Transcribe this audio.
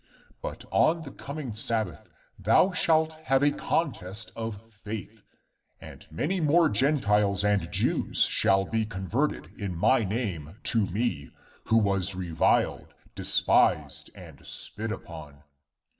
But on the coming Sab bath thou shalt have a contest of faith, and many more Gentiles and Jews shall be converted in my name to me, who was reviled, despised and spit upon.